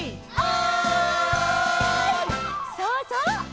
そうそう！